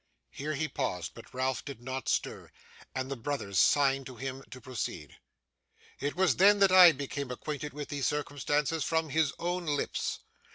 Here he paused, but Ralph did not stir, and the brothers signed to him to proceed. 'It was then that I became acquainted with these circumstances from his own lips.